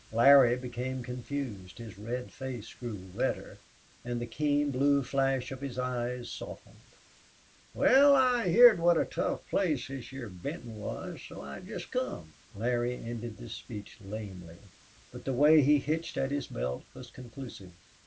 Larry became confused, his red face grew redder, and the keen blue flash of his eyes softened. "Wal, I heerd what a tough place this heah Benton was so I jest come." Larry ended this speech lamely, but the way he hitched at his belt was conclusive.